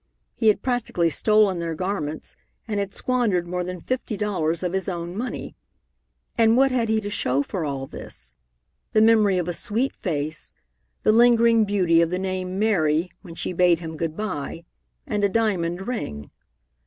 He had practically stolen their garments, and had squandered more than fifty dollars of his own money. And what had he to show for all this? The memory of a sweet face, the lingering beauty of the name "Mary" when she bade him good by, and a diamond ring.